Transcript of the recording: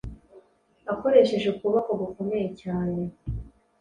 akoresheje ukuboko gukomeyecyane